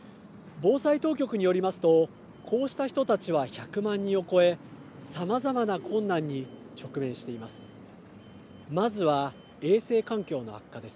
防災当局によりますとこうした人たちは１００万人を超えさまざまな困難に直面しています。